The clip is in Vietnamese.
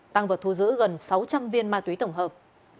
tăng vật thu giữ gần sáu trăm linh viên ma túy tổng hợp